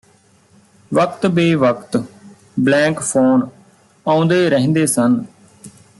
ਵਕਤ ਬੇਵਕਤ blank phone ਆਉਂਦੇ ਰਹਿੰਦੇ ਸਨ